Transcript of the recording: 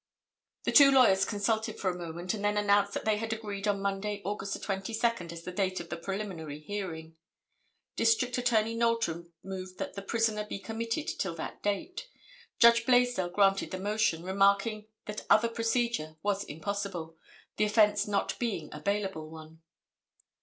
The two lawyers consulted for a moment, and then announced they had agreed on Monday, August 22, as the date of the preliminary hearing. District Attorney Knowlton moved that the prisoner be committed till that date. Judge Blaisdell granted the motion, remarking that other procedure was impossible, the offence not being a bailable one.